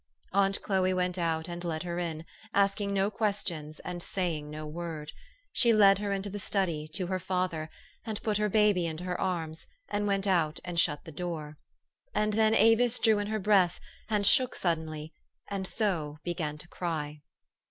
Aunt Chloe went out and led her in, asking no questions, and saying no word. She led her into the study, to her father, and put her baby into her arms, and went out and shut the door. And then Avis drew in her breath, and shook suddenly, and so began to cry.